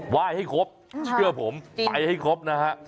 ไหว้ให้ครบเชื่อผมไปให้ครบนะฮะ